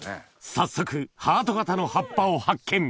早速ハート形の葉っぱを発見！